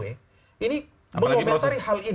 ini mengomentari hal ini